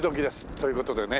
という事でね